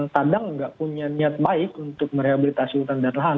kadang nggak punya niat baik untuk merehabilitasi hutan dan lahan